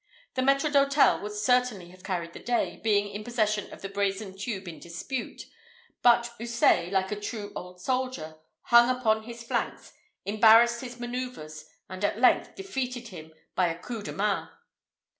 The maître d'hôtel would certainly have carried the day, being in possession of the brazen tube in dispute; but Houssaye, like a true old soldier, hung upon his flanks, embarrassed his man[oe]uvres, and at length defeated him by a coup de main.